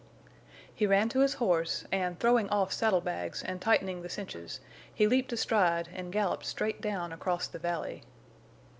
He ran to his horse and, throwing off saddle bags and tightening the cinches, he leaped astride and galloped straight down across the valley.